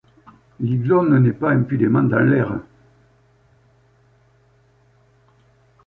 L’aiglon ne naît pas impunément dans l’aire.